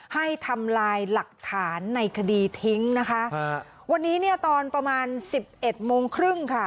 ให้ทำลายหลักฐานในคดีทิ้งนะคะวันนี้เนี่ยตอนประมาณสิบเอ็ดโมงครึ่งค่ะ